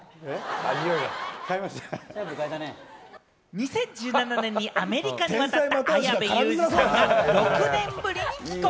２０１７年にアメリカに渡った綾部祐二さんが６年ぶりに帰国。